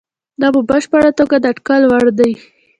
دا په بشپړه توګه د اټکل وړ دي.